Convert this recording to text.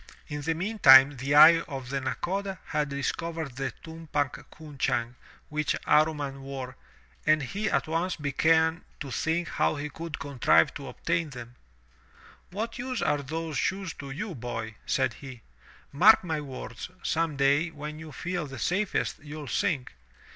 In the meantime the eye of the Nakoda had discovered the tumpak 200 THROUGH FAIRY HALLS cunchang which Amman wore, and he at once began to think how he could contrive to obtain them. "What use are those shoes to you, boy?" said he. "Mark my words, some day when you feel the safest, you'll sink.